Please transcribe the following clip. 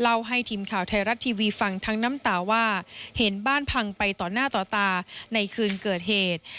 เล่าให้ทีมข่าวไทยรัฐทีวีฟังทั้งน้ำตาว่าเห็นบ้านพังไปต่อหน้าต่อตาในคืนเกิดเหตุ